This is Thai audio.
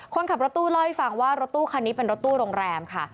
คนขับรถตู้เล่าให้ฟังว่ารถตู้คันนี้เป็นรถตู้โรงแรมค่ะ